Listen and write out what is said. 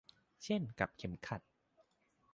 เช่นกับเข็มขัด